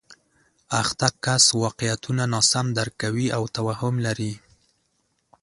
اخته کس واقعیتونه ناسم درک کوي او توهم لري